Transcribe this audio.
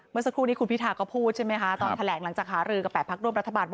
เมื่อสักครู่นี้คุณพิธาก็พูดใช่ไหมคะตอนแถลงหลังจากหารือกับ๘พักร่วมรัฐบาล